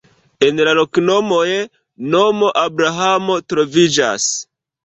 En la loknomoj nomo Abrahamo troviĝas.